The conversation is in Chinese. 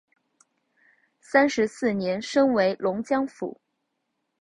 三十四年升为龙江府。